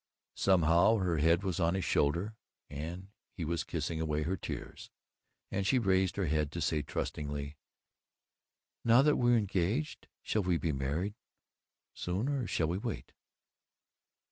Somehow her head was on his shoulder and he was kissing away the tears and she raised her head to say trustingly, "Now that we're engaged, shall we be married soon or shall we wait?"